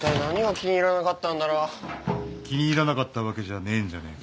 ・気に入らなかったわけじゃねえんじゃねえか？